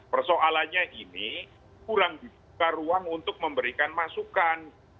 persoalannya ini kurang dibuka ruang untuk memberikan masukan